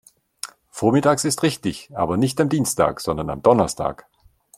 Vormittags ist richtig, aber nicht am Dienstag, sondern am Donnerstag.